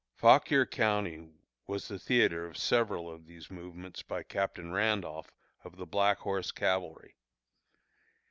Fauquier County was the theatre of several of these movements by Captain Randolph, of the Black Horse Cavalry.